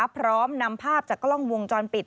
พร้อมนำภาพจากกล้องวงจรปิด